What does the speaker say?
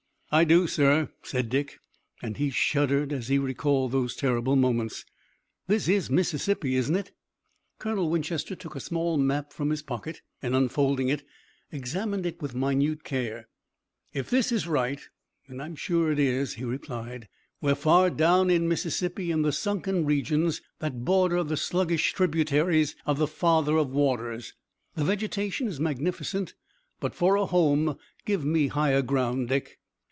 "I do, sir," said Dick and he shuddered as he recalled those terrible moments. "This is Mississippi, isn't it?" Colonel Winchester took a small map from his pocket, and, unfolding it, examined it with minute care. "If this is right, and I'm sure it is," he replied, "we're far down in Mississippi in the sunken regions that border the sluggish tributaries of the Father of Waters. The vegetation is magnificent, but for a home give me higher ground, Dick."